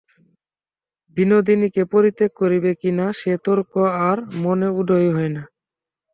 বিনোদিনীকে পরিত্যাগ করিবে কি না, সে-তর্ক আর মনে উদয়ই হয় না।